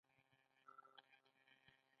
مصنوعي ځیرکتیا د هویت په تعریف کې رول لري.